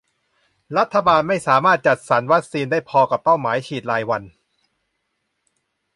รัฐบาลไม่สามารถจัดสรรวัคซีนได้พอกับเป้าหมายฉีดรายวัน